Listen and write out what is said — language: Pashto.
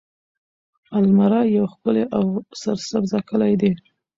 المره يو ښکلی او سرسبزه کلی دی.